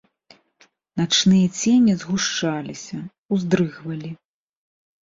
Начныя цені згушчаліся, уздрыгвалі.